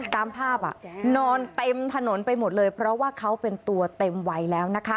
ตามภาพนอนเต็มถนนไปหมดเลยเพราะว่าเขาเป็นตัวเต็มวัยแล้วนะคะ